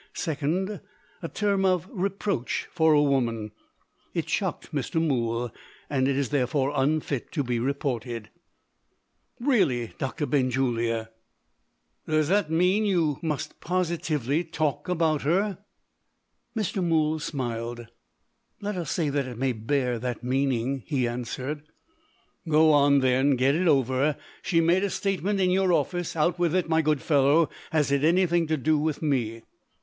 Second, "A term of reproach for a woman.") It shocked Mr. Mool; and it is therefore unfit to be reported. "Really, Doctor Benjulia!" "Does that mean that you positively must talk about her?" Mr. Mool smiled. "Let us say that it may bear that meaning," he answered. "Go on, then and get it over. She made a statement in your office. Out with it, my good fellow. Has it anything to do with me?"